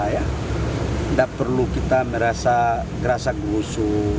tidak perlu kita merasa merasa gusuh